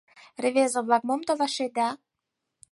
Рвезе-влак, мом толашеда?